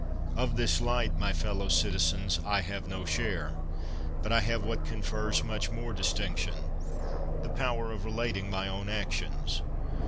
Of this light, my fellow citizens, I have no share; but I have what con fers much, more distinction — the power of rela ting my own actions.